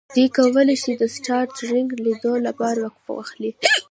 دوی کولی شي د سټار ټریک لیدلو لپاره وقفه واخلي